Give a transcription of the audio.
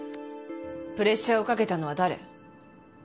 プレッシャーをかけたのは誰？